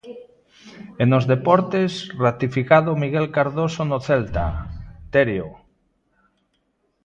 E nos deportes, ratificado Miguel Cardoso no Celta, Terio.